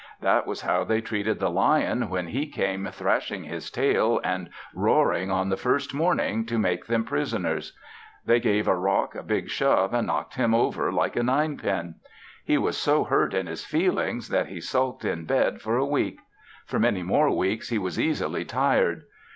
That was how they treated the lion, when he came thrashing his tail and roaring on the first morning to make them prisoners. They gave a rock a big shove and knocked him over like a ninepin. He was so hurt in his feelings that he sulked in bed for a week; for many more weeks he was easily tired.